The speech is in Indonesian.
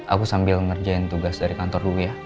aku sambil ngerjain tugas dari kantor dulu ya